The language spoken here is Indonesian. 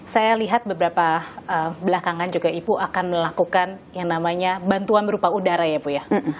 saya lihat beberapa belakangan juga ibu akan melakukan yang namanya bantuan berupa udara ya bu ya